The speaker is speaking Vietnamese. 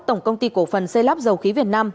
tổng công ty cổ phần xây lắp dầu khí việt nam